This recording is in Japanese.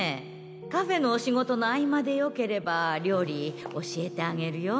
カフェの仕事の合間でよければ料理教えてあげるよ